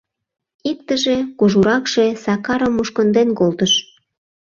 Иктыже, кужуракше, Сакарым мушкынден колтыш.